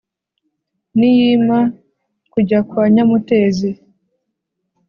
niyima kujya kwa nyamutezi.